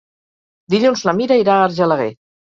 Dilluns na Mira irà a Argelaguer.